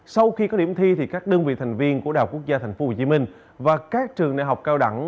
sau khi có điểm thi các đơn vị thành viên của đại học quốc gia tp hcm và các trường đại học cao đẳng